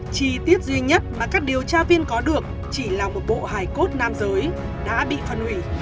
chi tiết duy nhất mà các điều tra viên có được chỉ là một bộ hải cốt nam giới đã bị phân hủy